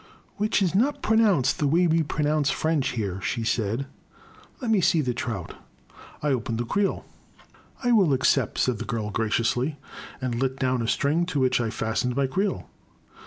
Which is not pronounced the way we pro nounce French here," she said, —let me see the trout." I opened the creel. '* I will accept," said the girl graciously, and let down a string, to which I fastened my creel.